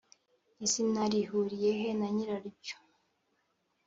Izina rihuriyehe na nyiraryo